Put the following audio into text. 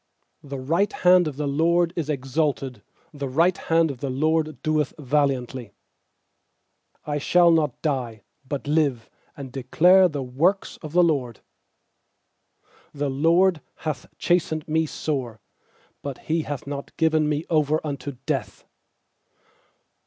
16The right hand of the LORD is exalted; The right hand of the LORD doeth valiantly. 17I shall not die, but live, And declare the works of the LORD. 18The LORD hath chastened me sore; But He hath not given me over unto death.